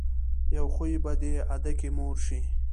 يو خوي به دې ادکې مور شي.